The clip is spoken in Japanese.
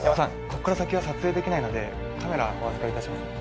ここから先は撮影出来ないのでカメラお預かり致します。